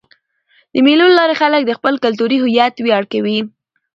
د مېلو له لاري خلک د خپل کلتوري هویت ویاړ کوي.